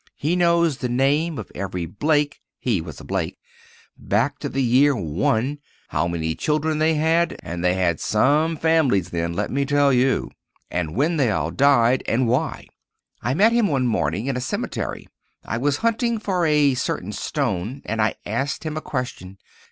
He knows the name of every Blake (he was a Blake) back to the year one, how many children they had (and they had some families then, let me tell you!), and when they all died, and why. I met him one morning in a cemetery. I was hunting for a certain stone and I asked him a question.